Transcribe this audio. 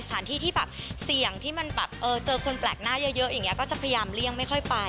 สถานที่ที่แบบเสี่ยงที่มันแบบเจอคนแปลกหน้าเยอะอย่างนี้ก็จะพยายามเลี่ยงไม่ค่อยไป